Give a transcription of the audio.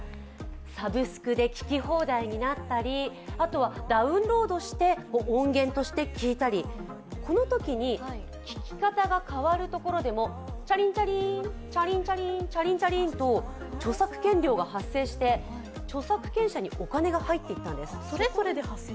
サブスクで聴き放題になったりあとはダウンロードして音源として聴いたり、このときに聴き方が変わるところでも、チャリンチャリン、チャリンチャリンと、著作権料が発生して著作権者にお金が入っていたんです。